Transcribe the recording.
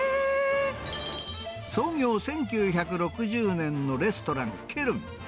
創業１９６０年のレストラン・ケルン。